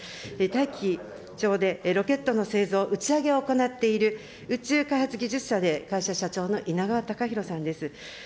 たいき町でロケットの打ち上げを行っている、宇宙開発技術者で会社社長のいながわたかひろさんです。